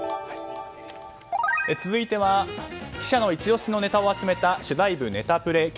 続いては記者のイチ押しのネタを集めた取材部ネタプレ。